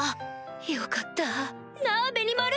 よかったなぁベニマル！